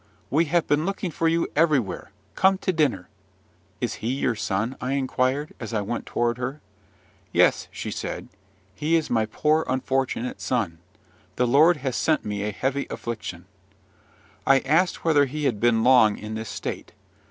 We have been looking for you everywhere: come to dinner." "Is he your son?" I inquired, as I went toward her. "Yes," she said: "he is my poor, unfortunate son. The Lord has sent me a heavy affliction." I asked whether he had been long in this state.